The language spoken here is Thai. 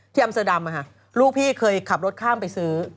ที่อัมเซอร์ดำอะค่ะลูกพี่เคยขับรถข้ามไปซื้อ